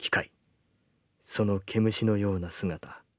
その毛虫のような姿。